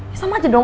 ya sama aja dong